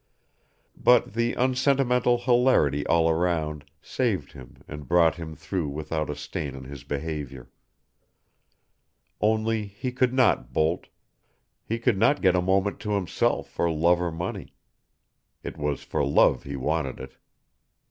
But the unsentimental hilarity all around saved him and brought him through without a stain on his behavior. Only he could not bolt he could not get a moment to himself for love or money. It was for love he wanted it.